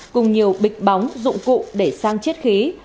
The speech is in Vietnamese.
cùng nhiều bịch bóng dụng cụ để sang chiết khí